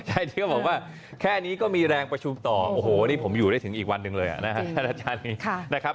ใช่พี่ก็บอกว่าแค่นี้ก็มีแรงประชุมต่อโอ้โหนี่ผมอยู่ได้ถึงอีกวันหนึ่งเลยอ่ะนะครับ